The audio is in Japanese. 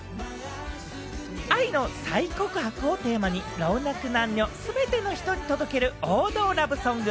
愛の再告白をテーマに老若男女、全ての人に届ける王道ラブソング。